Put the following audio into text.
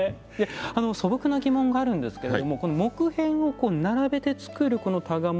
素朴な疑問があるんですけれども木片を並べて作るこの箍物。